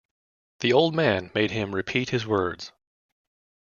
The old man made him repeat his words.